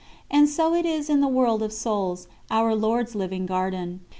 And so it is in the world of souls, Our Lord's living garden.